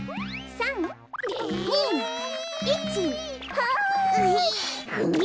はい。